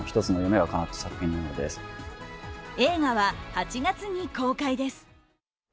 映画は８月に公開です。